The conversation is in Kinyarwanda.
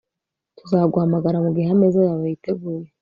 Tuzaguhamagara mugihe ameza yawe yiteguye